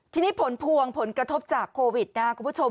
ทีนี้ผลพวงผลกระทบจากโควิดนะครับคุณผู้ชม